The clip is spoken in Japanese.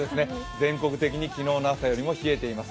全国的に昨日の朝よりも冷えています。